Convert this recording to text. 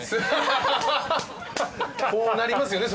こうなりますよね